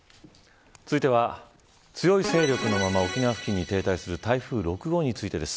続いては強い勢力のまま沖縄付近に停滞する台風６号についてです。